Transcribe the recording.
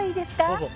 どうぞ。